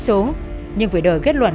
con chơi đâu hợp ơi